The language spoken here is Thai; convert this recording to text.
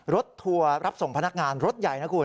ทัวร์รับส่งพนักงานรถใหญ่นะคุณ